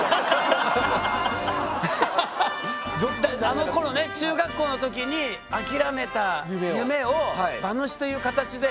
あのころね中学校の時に諦めた夢を馬主という形で。